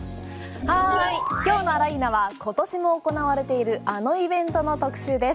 今日のあらいーな！は今年も行われているあのイベントの特集です。